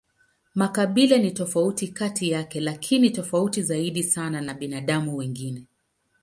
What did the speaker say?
Makabila ni tofauti kati yake, lakini ni tofauti zaidi sana na binadamu wengine.